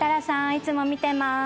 いつも見てまーす。